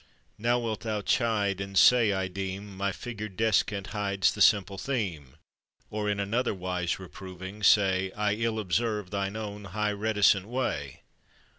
now wilt thou chide, and say (I deem) My figured descant hides the simple theme: Or, in another wise reproving, say I ill observe thine own high reticent way.